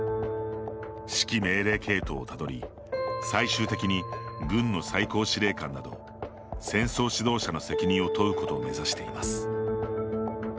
指揮命令系統をたどり最終的に軍の最高司令官など戦争指導者の責任を問うことを目指しています。